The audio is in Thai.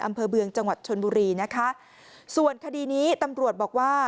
อำเภอเมืองจังหวัดชนบุรีนะคะส่วนคดีนี้ตำรวจบอกว่า